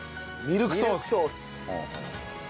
ミルクソース。